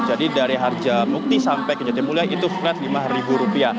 jadi dari harja mukti sampai jatimbul itu flat rp lima